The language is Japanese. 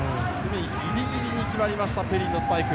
ギリギリに決まりましたペリンのスパイク。